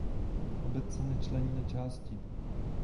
Obec se nečlení na části.